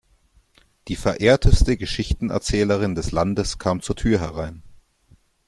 Die verehrteste Geschichtenerzählerin des Landes kam zur Tür herein.